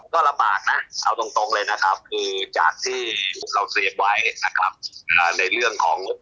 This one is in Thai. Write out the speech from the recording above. ก็ลำปางนะเอาตรงเลยนะครับ